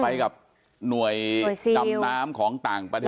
ไปกับหน่วยดำน้ำของต่างประเทศ